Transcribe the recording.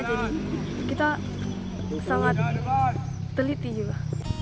jadi kita sangat teliti juga